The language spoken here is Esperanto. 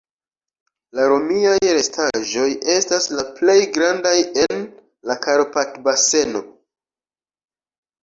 La romiaj restaĵoj estas la plej grandaj en la Karpat-baseno.